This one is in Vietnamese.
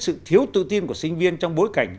sự thiếu tự tin của sinh viên trong bối cảnh